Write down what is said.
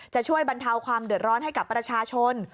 จะช่วยบรรเทาความเดือดร้อนให้กับประชาชน